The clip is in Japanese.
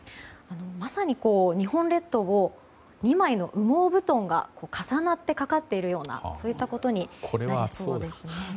まさに日本列島を２枚の羽毛布団が重なってかかっているようなことになりそうなんです。